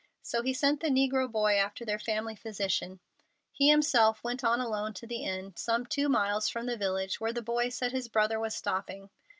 So he sent the negro boy after their family physician. He himself went on alone to the inn, some two miles from the village, where the boy said his brother was stopping.